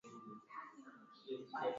Makabila Makuu katika Mkoa Wa manayara